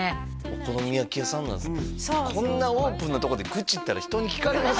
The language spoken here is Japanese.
お好み焼き屋さんなんですねこんなオープンなとこで愚痴ったら人に聞かれますよ